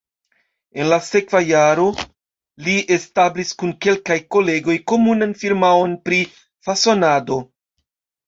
En la sekva jaro li establis kun kelkaj kolegoj komunan firmaon pri fasonado.